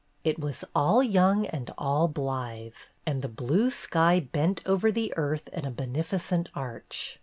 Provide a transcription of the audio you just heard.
It was all young and all blithe, and the blue sky bent over the earth in a beneficent arch.